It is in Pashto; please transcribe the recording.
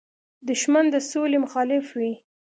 دښمن د سولې مخالف وي